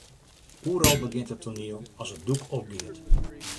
Oeral begjint it toaniel as it doek opgiet.